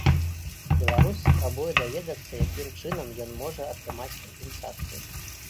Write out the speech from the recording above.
Беларус спрабуе даведацца, якім чынам ён можа атрымаць кампенсацыю.